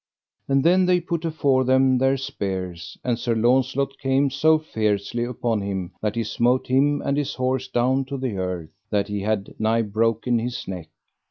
And then they put afore them their spears, and Sir Launcelot came so fiercely upon him that he smote him and his horse down to the earth, that he had nigh broken his neck.